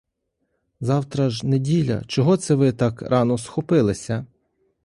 Завтра ж неділя, чого це ви так рано схопилися?